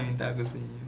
sekarang kamu senyum ya